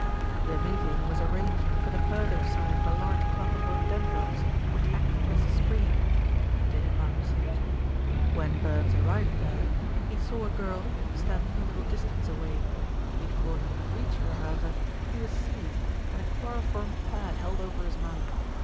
"The meeting was arranged for the further side of the large clump of rhododendrons, which acted as a screen," continued Malcolm Sage. "When Burns arrived there, he saw a girl standing a little distance away. Before he could reach her, however, he was seized and a chloroformed pad held over his mouth.